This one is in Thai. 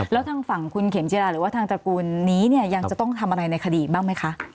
แล้วทางฝั่งคุณเข็มจิราหรือว่าทางตระกูลนี้เนี่ยยังจะต้องทำอะไรในคดีบ้างไหมคะ